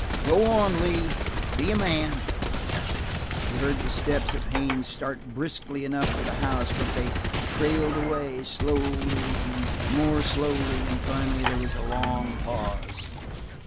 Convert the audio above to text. "Go on, Lee. Be a man." He heard the steps of Haines start briskly enough for the house, but they trailed away, slowly and more slowly, and finally there was a long pause.